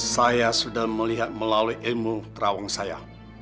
saya sudah melihat melalui ilmu terawang saya